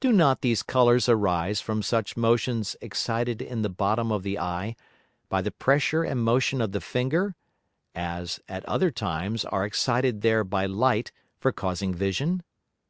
Do not these Colours arise from such Motions excited in the bottom of the Eye by the Pressure and Motion of the Finger, as, at other times are excited there by Light for causing Vision?